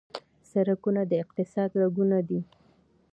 سرکونه د اقتصاد رګونه دي.